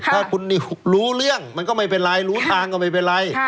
ถ้าคุณนิวรู้เรื่องมันก็ไม่เป็นไรรู้ทางก็ไม่เป็นไร